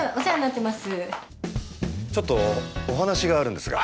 ちょっとお話があるんですが。